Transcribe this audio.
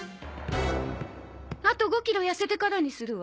あと５キロ痩せてからにするわ。